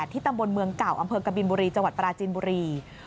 ตำบลเมืองเก่าอำเภอกบินบุรีจังหวัดปราจินบุรี